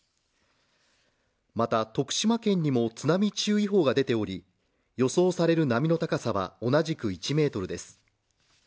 また徳島県にも津波注意報が出ており、予想される波の高さは同じく１ｍです。